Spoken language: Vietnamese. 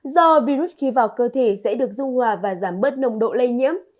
do virus khi vào cơ thể sẽ được dung hòa và giảm bớt nồng độ lây nhiễm